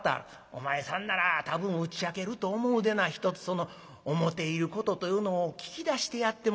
お前さんなら多分打ち明けると思うでなひとつその思ていることというのを聞き出してやってもらいたい。